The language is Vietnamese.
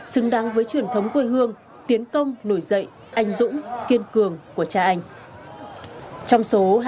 xứng đáng với truyền thống quê hương tiến công nổi dậy anh dũng kiên cường của cha anh